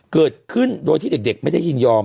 เกิดขึ้นโดยที่เด็กไม่ได้ยินยอม